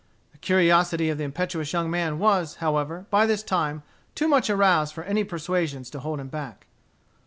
The curiosity of the impetuous young man was, however, by this time, too much aroused for any persuasions to hold him back.